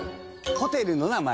ホテルの名前。